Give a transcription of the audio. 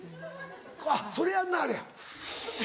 あっそれやんなはれやス。